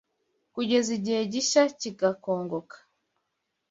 Kugeza igihe gishya kigakongoka